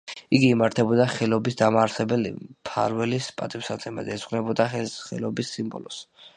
იგი იმართებოდა ხელობის დამაარსებელი მფარველის პატივსაცემად, ეძღვნებოდა ხელს, ხელობის სიმბოლოს.